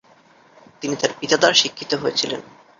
তিনি তার পিতা দ্বারা শিক্ষিত হয়েছিলেন ।